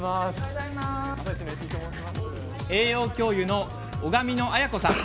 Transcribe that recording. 栄養教諭の小神野あや子さん。